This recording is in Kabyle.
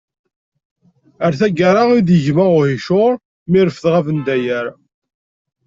A targa i deg yegma uhicur! Mi refdeɣ abendayer.